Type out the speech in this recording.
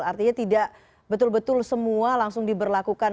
artinya tidak betul betul semua langsung diberlakukan